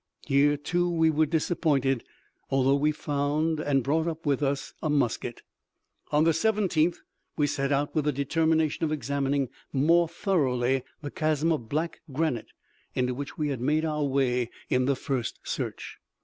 Here, too, we were disappointed, although we found and brought up with us a musket. On the seventeenth we set out with the determination of examining more thoroughly the chasm of black granite into which we had made our way in the first search.